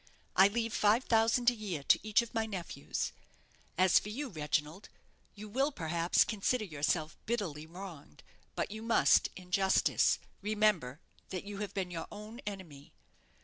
I leave five thousand a year to each of my nephews. As for you, Reginald, you will, perhaps, consider yourself bitterly wronged; but you must, in justice, remember that you have been your own enemy.